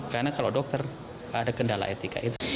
karena kalau dokter ada kendala etika itu